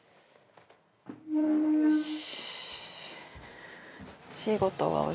よし。